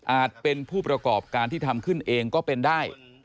เป็นผู้ประกอบการที่ทำขึ้นเองก็เป็นได้